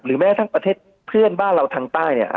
แม้ทั้งประเทศเพื่อนบ้านเราทางใต้เนี่ย